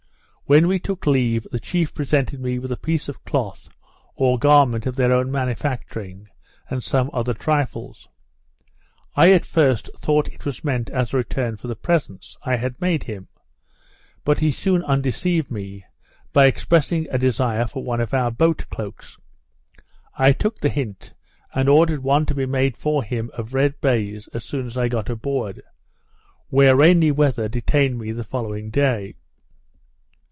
When we took leave, the chief presented me with a piece of cloth or garment of their own manufacturing, and some other trifles. I at first thought it was meant as a return for the presents I had made him; but he soon undeceived me, by expressing a desire for one of our boat cloaks. I took the hint, and ordered one to be made for him of red baise, as soon as I got aboard; where rainy weather detained me the following day.